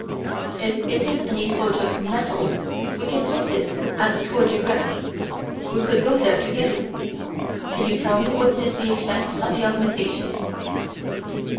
"If it is any sort of metal, we can get it at the Tour du Grec. We could go there together. Can you tell me what is the expense of the augmentation?"